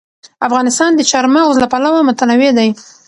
افغانستان د چار مغز له پلوه متنوع دی.